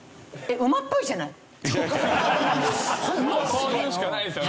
そう言うしかないですよね。